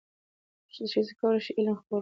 ښځې کولای شي علم خپور کړي.